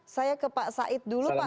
saya ke pak said dulu pak